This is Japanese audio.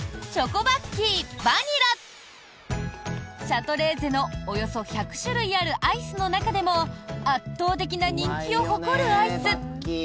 シャトレーゼのおよそ１００種類あるアイスの中でも圧倒的な人気を誇るアイス！